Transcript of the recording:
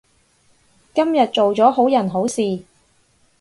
今日做咗好人好事